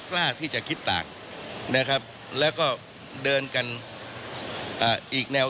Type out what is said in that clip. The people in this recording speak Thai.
กรณีนี้ทางด้านของประธานกรกฎาได้ออกมาพูดแล้ว